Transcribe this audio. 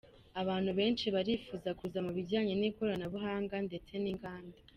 Abantu benshi barifuza kuza mu bijyanye n’ikoranabuhanga ndetse n’inganda.